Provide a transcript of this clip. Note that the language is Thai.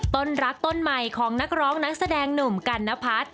ต้นรักต้นใหม่ของนักร้องนักแสดงหนุ่มกันนพัฒน์